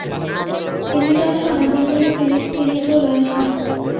তিনি তার সন্তানদের নিয়ে ফিলিস্তিনে চলে আসেন।